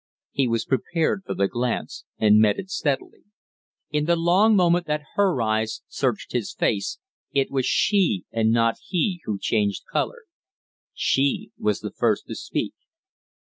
He was prepared for the glance and met it steadily. In the long moment that her eyes searched his face it was she and not he who changed color. She was the first to speak.